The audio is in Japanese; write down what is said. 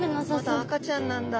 まだ赤ちゃんなんだ。